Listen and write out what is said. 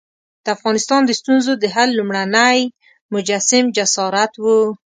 د افغانستان د ستونزو د حل لومړنی مجسم جسارت وو.